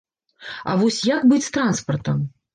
А вось як быць з транспартам?